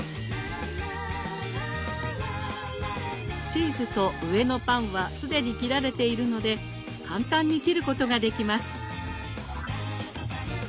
チーズと上のパンは既に切られているので簡単に切ることができます。